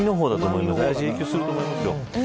だいぶ影響すると思いますよ。